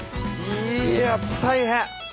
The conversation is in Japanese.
いや大変！